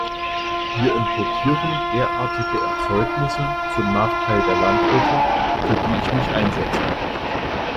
Wir importieren derartige Erzeugnisse zum Nachteil der Landwirte, für die ich mich einsetze.